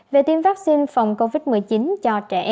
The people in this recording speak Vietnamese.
về tiêm vaccine phòng covid một mươi chín